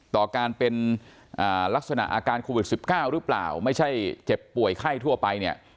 ต่อการเป็นลักษณะอาการโควิด๑๙หรือเปล่าไม่ใช่เจ็บป่วยไข้ทั่วไปเนี่ย